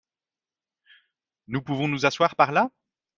Nous pouvons nous asseoir par là ?